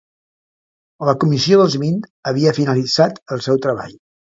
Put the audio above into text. La Comissió dels Vint havia finalitzat el seu treball.